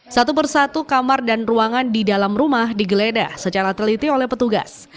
satu persatu kamar dan ruangan di dalam rumah digeledah secara teliti oleh petugas